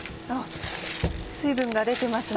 水分が出てますね。